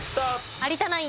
有田ナイン